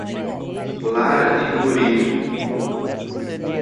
Lara e Murilo